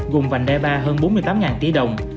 gồm vành đai ba hơn bốn mươi tám tỷ đồng